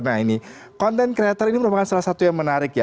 nah ini content creator ini merupakan salah satu yang menarik ya